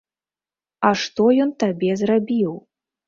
А што ён табе зрабіў?